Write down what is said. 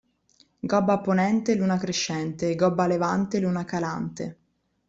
Gobba a ponente luna crescente, gobba a levante luna calante.